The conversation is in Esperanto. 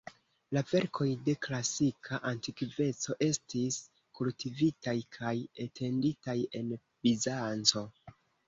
La verkoj de la klasika antikveco estis kultivitaj kaj etenditaj en Bizanco.